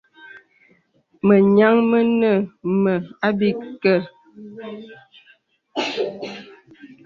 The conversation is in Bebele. Mə nyāŋ mə nə mə̀ àbìkək.